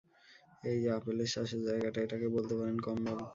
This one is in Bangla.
এই যে আপেলের শ্বাসের জায়গাটা, এটাকে বলতে পারেন কম্বল!